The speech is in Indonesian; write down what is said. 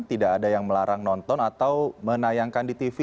tidak ada yang melarang nonton atau menayangkan di tv